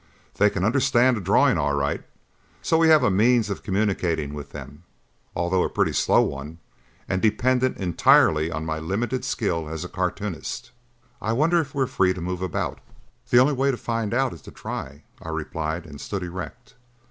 They can understand a drawing all right, so we have a means of communicating with them, although a pretty slow one and dependent entirely on my limited skill as a cartoonist. I wonder if we are free to move about?" "The only way to find out is to try," I replied and stood erect.